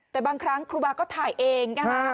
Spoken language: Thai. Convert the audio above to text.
แต่บางครั้งครูบาก็ถ่ายเองนะคะ